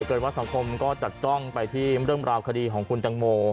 เกิดว่าสังคมก็จัดจ้องไปที่เรื่องราวคดีของคุณตังโม